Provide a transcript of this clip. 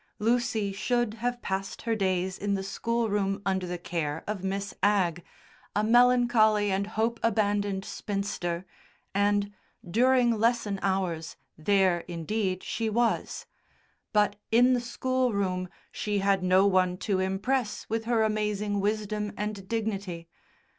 Lucy should have passed her days in the schoolroom under the care of Miss Agg, a melancholy and hope abandoned spinster, and, during lesson hours, there indeed she was. But in the schoolroom she had no one to impress with her amazing wisdom and dignity.